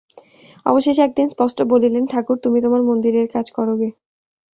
অবশেষে এক দিন স্পষ্ট বলিলেন, ঠাকুর, তুমি তোমার মন্দিরের কাজ করোগে।